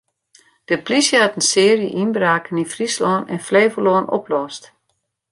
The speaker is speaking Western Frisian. De polysje hat in searje ynbraken yn Fryslân en Flevolân oplost.